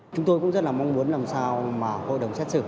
chúng tôi cũng rất là mong muốn làm sao mà hội đồng xét xử